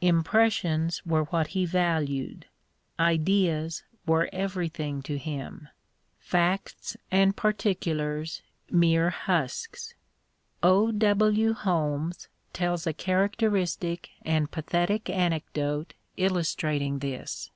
Impressions were what he valued, ideas were everything to him ; facts and particulars mere husks. O. W. Holmes tells a characteristic and pathetic anecdote illustrating this.